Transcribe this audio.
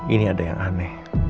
ini ada yang aneh